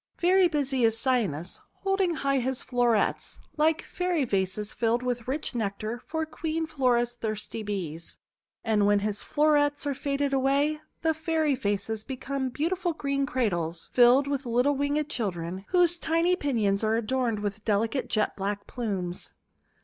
Very busy is Cy anus, holding high his florets , like Fairy vases filled with rich Nectar for Queen Flora's thirsty Bees. And when his florets are faded away, the Fairy vases become beautiful green cradles filled with little Winged Children, whose tiny pin ions are adorned with delicate jet black plumes.